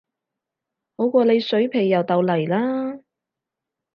好過你水皮又豆泥啦